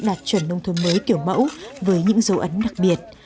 xây dựng nông thuần mới kiểu mẫu với những dấu ấn đặc biệt